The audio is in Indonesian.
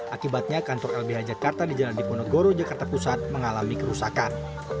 akibatnya kantor lbh jakarta di jalan diponegoro jakarta pusat mengalami kerusakan